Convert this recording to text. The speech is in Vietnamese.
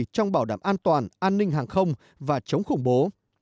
trong bảo đảm an toàn an ninh hàng không và chống khủng bố